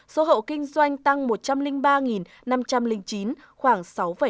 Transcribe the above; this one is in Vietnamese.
số hậu kinh doanh tăng một trăm linh ba năm trăm linh chín khoảng sáu năm mươi sáu